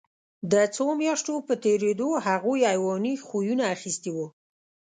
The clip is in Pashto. د څو میاشتو په تېرېدو هغوی حیواني خویونه اخیستي وو